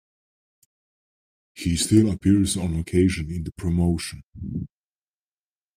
He still appears on occasion in the promotion.